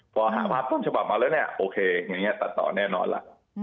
พอหาภาพต้นฉบับมาแล้วเนี่ยโอเคตัดต่อแน่นอนล่ะ